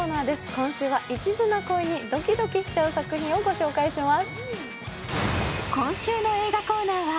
今週は一途な恋にドキドキしちゃう作品をご紹介します。